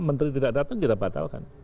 menteri tidak datang kita batalkan